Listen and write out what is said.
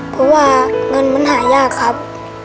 เพราะว่าเงินมันหายากครับ